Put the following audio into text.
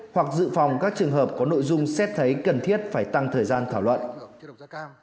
hoặc dự phòng các trường hợp có nội dung xét thấy cần thiết phải tăng thời gian thảo luận